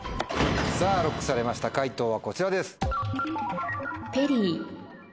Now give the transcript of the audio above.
さぁＬＯＣＫされました解答はこちらです。